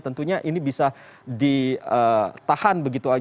tentunya ini bisa ditahan begitu